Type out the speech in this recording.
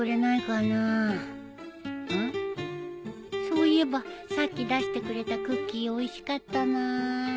そういえばさっき出してくれたクッキーおいしかったなぁ